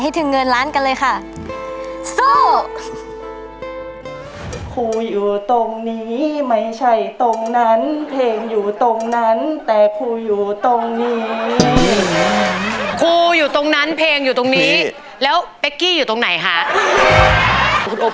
คุณโอ้พี่เรียนนะครับ